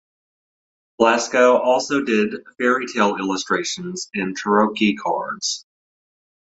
Blasco also did fairy tale illustrations and tarrocci cards.